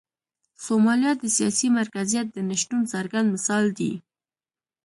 سومالیا د سیاسي مرکزیت د نشتون څرګند مثال دی.